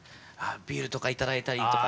ビールとか頂いたりとか。